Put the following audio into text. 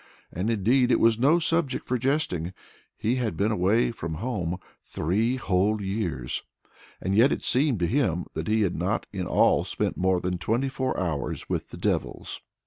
And indeed it was no subject for jesting; he had been away from home three whole years, and yet it seemed to him that he had not in all spent more than twenty four hours with the devils.